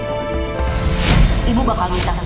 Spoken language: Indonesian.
engga ada permintaan